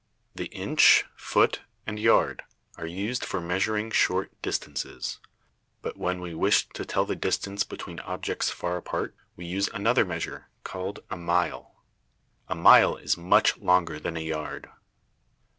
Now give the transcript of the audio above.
The inch, foot, and yard are used for measuring short distances. But when we wish to tell the distance between objects far apart, we use another measure called a mile. A mile is much longer than a yard.